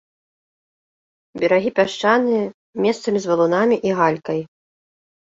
Берагі пясчаныя, месцамі з валунамі і галькай.